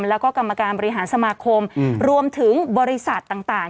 แล้วก็กรรมการบริหารสมาคมรวมถึงบริษัทต่าง